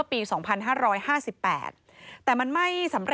พบหน้าลูกแบบเป็นร่างไร้วิญญาณ